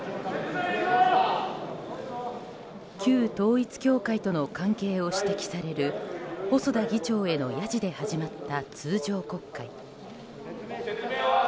旧統一教会との関係を指摘される細田議長へのヤジで始まった通常国会。